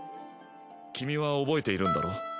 君は覚えているんだろう？